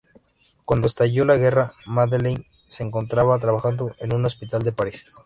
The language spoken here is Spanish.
Cuando estalló la guerra, Madeleine se encontraba trabajando en un hospital de París.